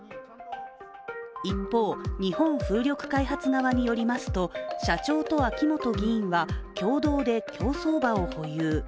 一方、日本風力開発側によりますと社長と秋本議員は共同で競走馬を保有。